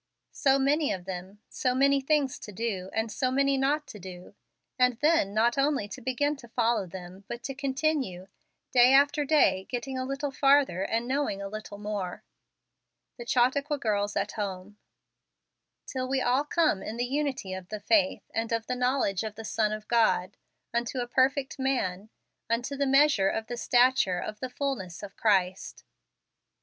So many of them, so many things to do, and so many not to do; and then not only to begin to follow them, but to continue; day after day getting a little farther, and knowing a little more. The Chautauqua Girls at Home. " Till ice all come in the unity of the faith, and of the knowledge of the Son of God, unto a perfect man , unto the measure of the stature of the fullness of Christ."